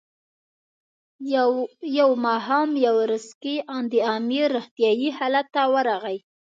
یو ماښام یاورسکي د امیر روغتیایي حالت ته ورغی.